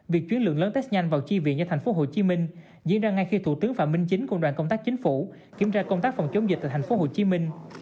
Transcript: việc chuyển lượng lớn test nhanh vào chi viện cho thành phố hồ chí minh diễn ra ngay khi thủ tướng phạm minh chính cùng đoàn công tác chính phủ kiểm tra công tác phòng chống dịch tại thành phố hồ chí minh